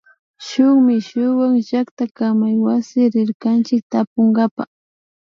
Shuk mishuwa llaktakamaywasi rirkanchik tapunkapa